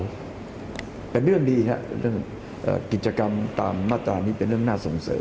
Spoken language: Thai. แต่เป็นเรื่องดีนะฮะเรื่องกิจกรรมตามอาจารย์เป็นเรื่องน่าสงเศย